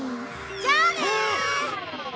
じゃあね！